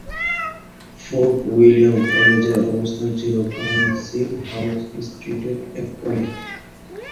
Fort William কলেজের অবস্থান ছিল কাউন্সিল হাউস স্ট্রিটের এক কোণে।